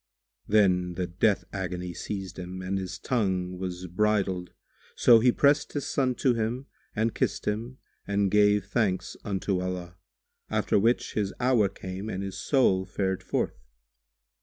Then the death agony[FN#142] seized him and his tongue was bridled; so he pressed his son to him and kissed him and gave thanks unto Allah; after which his hour came and his soul fared forth.